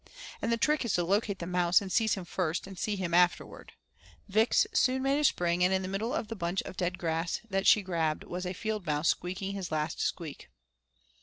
And the trick is to locate the mouse and seize him first and see him afterward. Vix soon made a spring, and in the middle of the bunch of dead grass that she grabbed was a field mouse squeaking his last squeak.